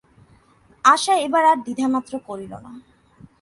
আশা এবার আর দ্বিধামাত্র করিল না।